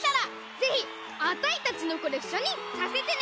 ぜひあたいたちのコレクションにさせてね！